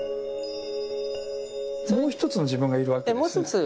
もう一つの自分がいるわけですね。